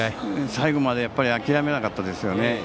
最後まで諦めなかったですよね。